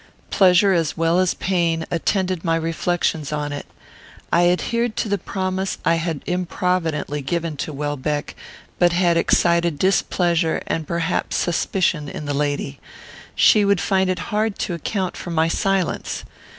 Pleasure as well as pain attended my reflections on it. I adhered to the promise I had improvidently given to Welbeck, but had excited displeasure, and perhaps suspicion, in the lady. She would find it hard to account for my silence.